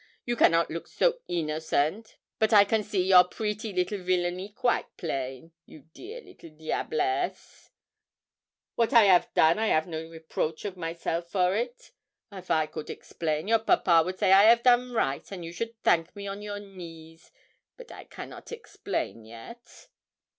You cannot look so innocent but I can see your pretty little villany quite plain you dear little diablesse. 'Wat I 'av done I 'av no reproach of myself for it. If I could explain, your papa would say I 'av done right, and you should thank me on your knees; but I cannot explain yet.'